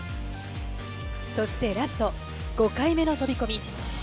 そしてラスト、５回目の飛び込み。